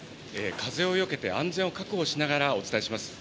風をよけて安全を確保しながらお伝えします。